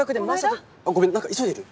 ごめん何か急いでる？